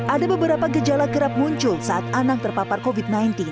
ada beberapa gejala kerap muncul saat anak terpapar covid sembilan belas